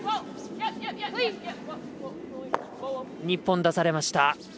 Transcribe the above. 日本、出されました。